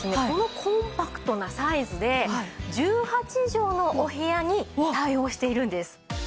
このコンパクトなサイズで１８畳のお部屋に対応しているんです。